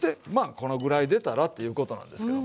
このぐらい出たらっていうことなんですけどもね。